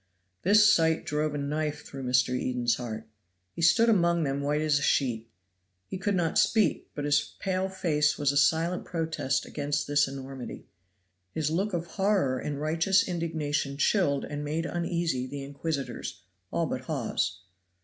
This sight drove a knife through Mr. Eden's heart. He stood among them white as a sheet. He could not speak; but his pale face was a silent protest against this enormity. His look of horror and righteous indignation chilled and made uneasy the inquisitors, all but Hawes.